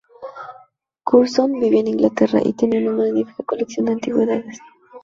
Curzon vivía en Inglaterra y tenía una magnífica colección de antigüedades.